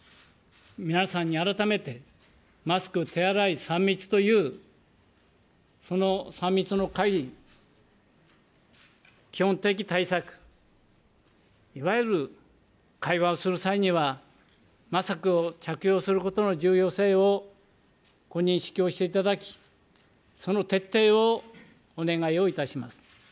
皆さんに改めて、マスク、手洗い、３密という、その３密の回避、基本的対策、いわゆる会話をする際には、マスクを着用することの重要性をご認識をしていただき、その徹底をお願いをいたします。